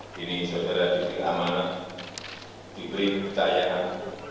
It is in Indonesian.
kini saudara diperikaman diberi percayaan